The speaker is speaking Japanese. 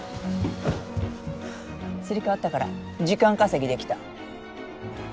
すり替わったから時間稼ぎできた。